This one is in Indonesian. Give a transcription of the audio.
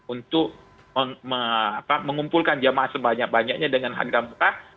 untuk mengumpulkan jamaah sebanyak banyaknya dengan harga berat